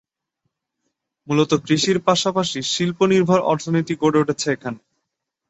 মূলত কৃষির পাশাপাশি শিল্প নির্ভর অর্থনীতি গড়ে উঠেছে এখানে।